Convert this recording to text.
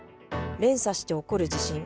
連鎖して起こる地震。